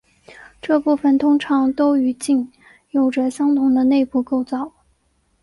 这部分通常都与茎有着相同的内部构造。